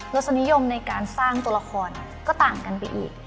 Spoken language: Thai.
รสนิยมในการสร้างตัวละครก็ต่างกันไปอีก